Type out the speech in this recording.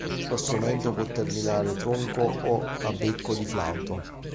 Lo strumento può terminare tronco o a becco di flauto.